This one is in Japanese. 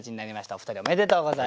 お二人おめでとうございます。